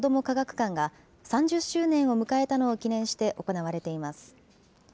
科学館が３０周年を迎えたのを記念して行われています。